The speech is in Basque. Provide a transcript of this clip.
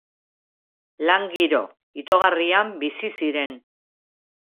Lan giro itogarrian bizi ziren.